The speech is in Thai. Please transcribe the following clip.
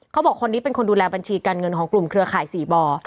เขาบอกคนนี้เป็นคนดูแลบัญชีการเงินของกลุ่มเครือข่าย๔บ่อ